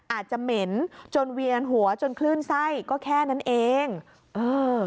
เหม็นจนเวียนหัวจนคลื่นไส้ก็แค่นั้นเองเออ